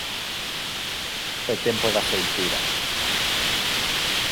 É tempo da seitura.